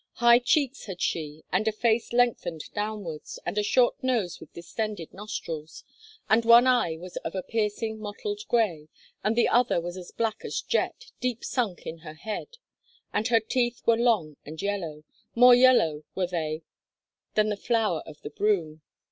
High cheeks had she, and a face lengthened downwards, and a short nose with distended nostrils. And one eye was of a piercing mottled gray, and the other was as black as jet, deep sunk in her head. And her teeth were long and yellow, more yellow were they than the flower of the broom.